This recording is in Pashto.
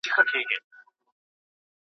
ماشوم پرون په خپله ژبه لیکل زده کړل.